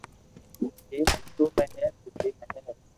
جيم اردو ۾ ھي سندھي ۾ ھي